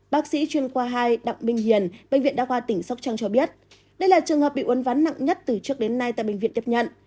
bác sĩ chuyên khoa hai đặng minh hiền bệnh viện đa khoa tỉnh sóc trăng cho biết đây là trường hợp bị uốn ván nặng nhất từ trước đến nay tại bệnh viện tiếp nhận